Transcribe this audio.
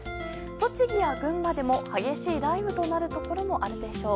栃木や群馬でも激しい雷雨となるところもあるでしょう。